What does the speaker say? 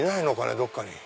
どっかに。